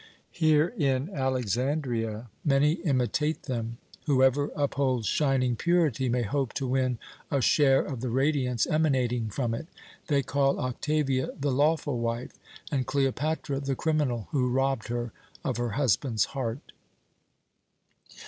Here in Alexandria many imitate them. Whoever upholds shining purity may hope to win a share of the radiance emanating from it. They call Octavia the lawful wife, and Cleopatra the criminal who robbed her of her husband's heart."